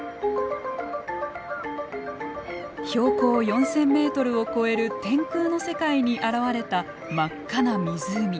標高４，０００メートルを超える天空の世界に現れた真っ赤な湖。